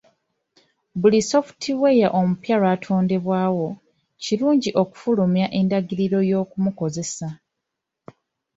Buli software omupya lw'atondebwawo, kirungi okufulumya endagiriro y'okumukozesa.